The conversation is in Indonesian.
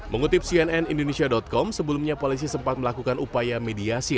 mengutip cnn indonesia com sebelumnya polisi sempat melakukan upaya mediasi